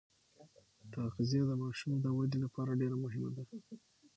تغذیه د ماشوم د ودې لپاره ډېره مهمه ده.